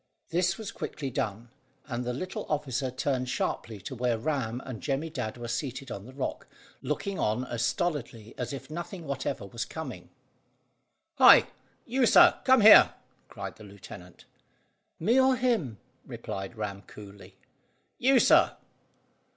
This was quickly done, and the little officer turned sharply to where Ram and Jemmy Dadd were seated on the rock, looking on as stolidly as if nothing whatever was coming. "Hi! You, sir; come here!" cried the lieutenant. "Me, or him?" replied Ram coolly. "You, sir."